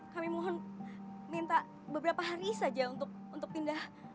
kami mohon minta beberapa hari saja untuk pindah